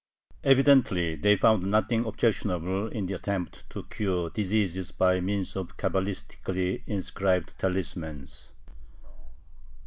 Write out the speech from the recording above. Evidently they found nothing objectionable in the attempt to cure diseases by means of cabalistically inscribed talismans.